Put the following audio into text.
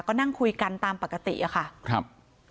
ก็นั่งคุยกันตามปกติอะค่ะครับ